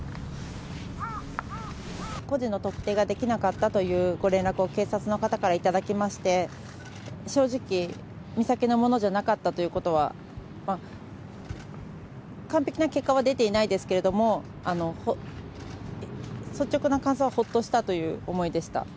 個人の特定ができなかったというご連絡を、警察の方からいただきまして、正直、美咲のものじゃなかったということは、完璧な結果は出ていないんですけれども、率直な感想はほっとしたという思いでした。